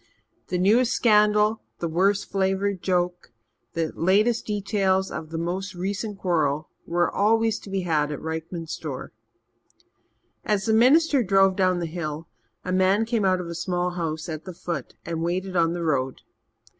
The newest scandal, the worst flavoured joke, the latest details of the most recent quarrel, were always to be had at Rykman's store. As the minister drove down the hill, a man came out of a small house at the foot and waited on the road.